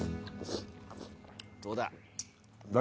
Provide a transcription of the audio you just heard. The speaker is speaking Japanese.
どうだ？